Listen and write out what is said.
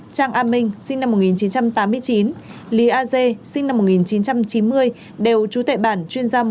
trang a minh sinh năm một nghìn chín trăm tám mươi chín lý a dê sinh năm một nghìn chín trăm chín mươi đều trú tại bản chuyên gia một